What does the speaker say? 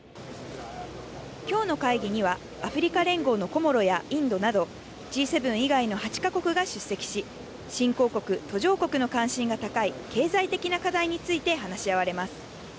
きょうの会議には、アフリカ連合のコモロやインドなど、Ｇ７以外の８か国が出席し、新興国・途上国の関心が高い経済的な課題について話し合われます。